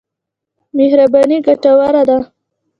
مهرباني ګټوره ده.